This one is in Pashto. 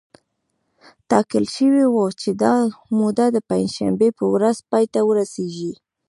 ټاکل شوې وه چې دا موده د پنجشنبې په ورځ پای ته ورسېږي